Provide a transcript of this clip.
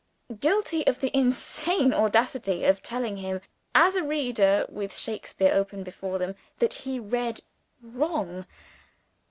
guilty of the insane audacity of telling him, as a reader with Shakespeare open before them that he read wrong!